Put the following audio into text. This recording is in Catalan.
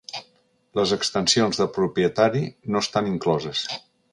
Les extensions de propietari no estan incloses.